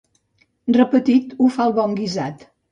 Repetit, ho fa el bon guisat.